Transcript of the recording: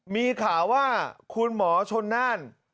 มีข่าวว่าคุณหมอชนน่าน